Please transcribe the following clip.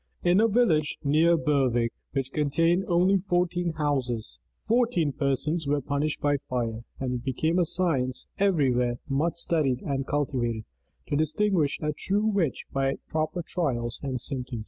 In a village near Berwick, which contained only fourteen houses, fourteen persons were punished by fire;[] and it became a science, every where much studied and cultivated, to distinguish a true witch by proper trials and symptoms.